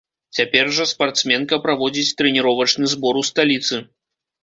Цяпер жа спартсменка праводзіць трэніровачны збор у сталіцы.